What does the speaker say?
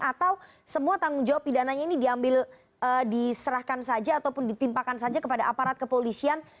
atau semua tanggung jawab pidananya ini diambil diserahkan saja ataupun ditimpakan saja kepada aparat kepolisian